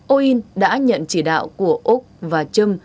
o in đã nhận chỉ đạo của úc và trâm